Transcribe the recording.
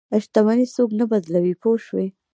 شتمني څوک نه بدلوي پوه شوې!.